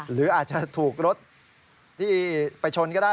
หรืออาจจะถูกรถที่ไปชนก็ได้